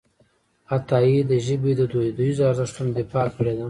عطایي د ژبې د دودیزو ارزښتونو دفاع کړې ده.